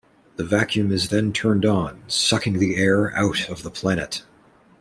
The vacuum is then turned on, sucking the air out of the planet.